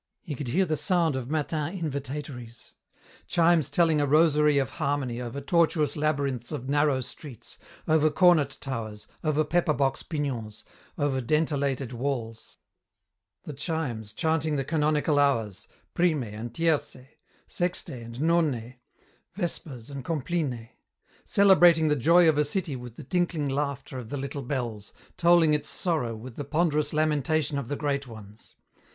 He could hear the sounding of matin invitatories; chimes telling a rosary of harmony over tortuous labyrinths of narrow streets, over cornet towers, over pepper box pignons, over dentelated walls; the chimes chanting the canonical hours, prime and tierce, sexte and none, vespers and compline; celebrating the joy of a city with the tinkling laughter of the little bells, tolling its sorrow with the ponderous lamentation of the great ones.